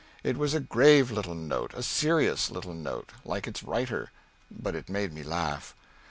It was a grave little note, a serious little note, like its writer, but it made me laugh.